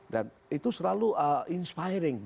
dan itu selalu inspiring